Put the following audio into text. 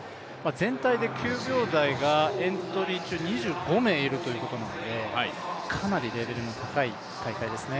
全体で９秒台がエントリー中２５名いるということなので、かなりレベルの高い大会ですね。